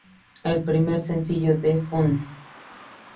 El primer sencillo de Fun.